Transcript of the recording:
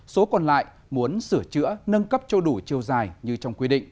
số còn lại muốn sửa chữa nâng cấp cho đủ chiều dài như trong quy định